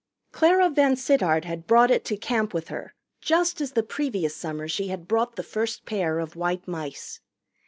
Clara VanSittart had brought it to camp with her, just as the previous summer she had brought the first pair of white mice.